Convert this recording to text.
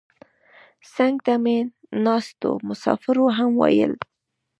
څنګ ته مې ناستو مسافرو هم ویل.